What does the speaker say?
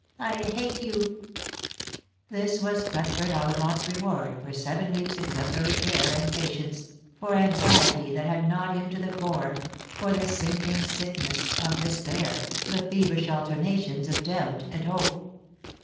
I hate you !" This was Cnthbert Ollivant's reward for seven weeks' exem plary care and patience; for anxiety that had gnawed him to the core; for the sinking sickness of despair, the feverish alter nations of doubt and hope.